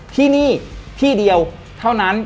ที่นี่ที่เดียวเท่านั้น